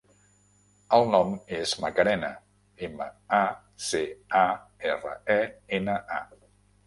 El nom és Macarena: ema, a, ce, a, erra, e, ena, a.